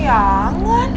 ih nggak mau tante